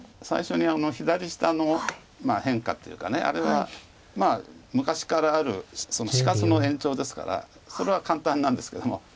最初に左下の変化というかあれはまあ昔からある死活の延長ですからそれは簡単なんですけども。